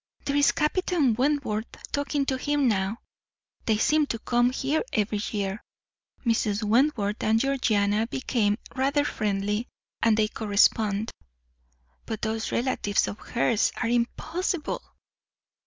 There is Captain Wentworth talking to him now; they seem to come here every year. Mrs. Wentworth and Georgiana became rather friendly, and they correspond. But those relatives of hers are impossible!